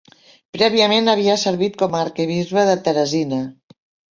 Prèviament havia servit com a arquebisbe de Teresina.